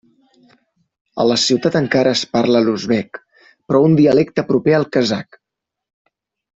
A la ciutat encara es parla l'uzbek però un dialecte proper al kazakh.